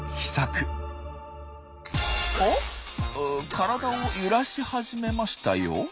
体を揺らし始めましたよ。